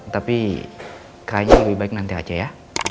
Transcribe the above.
tapi kayaknya lebih baik nanti aja ya